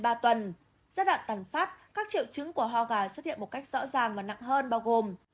giai đoạn toàn phát các triệu chứng của hoa gà xuất hiện một cách rõ ràng và nặng hơn bao gồm